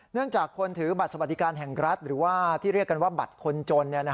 จากคนถือบัตรสวัสดิการแห่งรัฐหรือว่าที่เรียกกันว่าบัตรคนจน